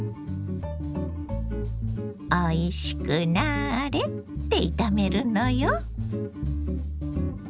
「おいしくなれ」って炒めるのよ。